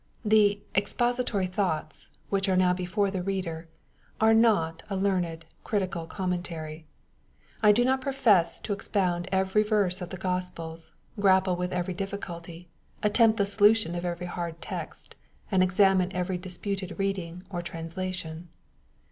The " Expository Thoughts,'' which are now before the reader, are not a learned, critical commentary. I do not profess to expound every verse of the Gospels, grapple with every difficulty, attempt the solution of every hard text, and examine every disputed reading or translation.